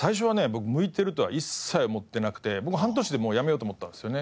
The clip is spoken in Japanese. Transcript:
僕向いてるとは一切思ってなくて半年でもうやめようと思ったんですよね。